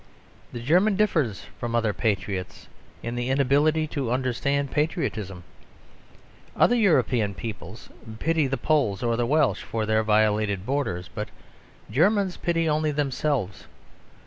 The German differs from other patriots in the inability to understand patriotism. Other European peoples pity the Poles or the Welsh for their violated borders; but Germans pity only themselves.